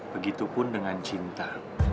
begitupun dengan cinta